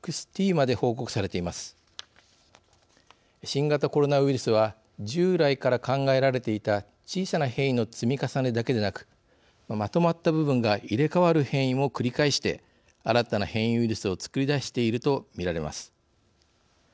新型コロナウイルスは従来から考えられていた小さな変異の積み重ねだけでなくまとまった部分が入れ替わる変異も繰り返して新たな変異ウイルスを作り出していると見られます。